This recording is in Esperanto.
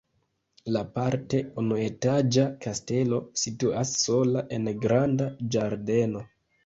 La parte unuetaĝa kastelo situas sola en granda ĝardeno.